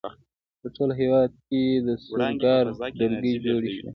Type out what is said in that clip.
په ټول هېواد کې د سور ګارډ ډلګۍ جوړې شوې.